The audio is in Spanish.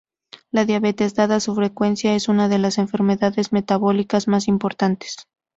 La diabetes, dada su frecuencia, es una de las enfermedades metabólicas más importantes.